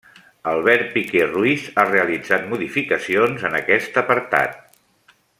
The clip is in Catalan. Albert Piquer Ruiz ha realitzat modificacions en aquest apartat.